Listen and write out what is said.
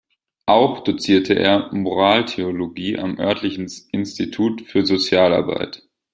Auch dozierte er Moraltheologie am örtlichen Institut für Sozialarbeit.